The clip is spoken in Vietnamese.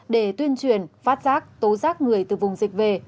để tuyên truyền phát giác tố giác người từ vùng dịch về